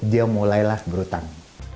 dia mulailah berhutang